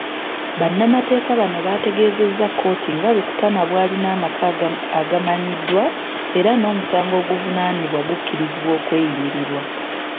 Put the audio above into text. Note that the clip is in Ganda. Bannamateeka bano bategeezezza kkooti nga Rukutuna bw'alina amaka agamanyiddwa era n'omusango ogumuvunaanibwa gukkirizibwa okweyimirirwa.